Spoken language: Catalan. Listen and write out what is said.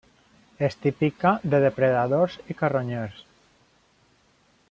És típica de depredadors i carronyers.